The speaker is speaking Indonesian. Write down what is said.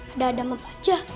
ada ada membaca